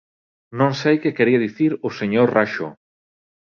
Non sei que me quería dicir o señor Raxó.